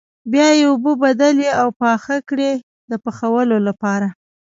بیا یې اوبه بدلې او پاخه کړئ د پخولو لپاره.